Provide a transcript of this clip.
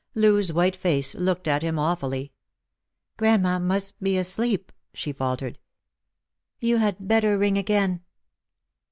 Loo's white face looked at him awfully. " Grandma must be asleep," she faltered. " Tou had better ring again."